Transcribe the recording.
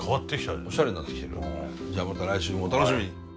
じゃあまた来週もお楽しみに。